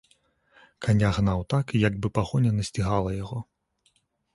Каня гнаў так, як бы пагоня насцігала яго.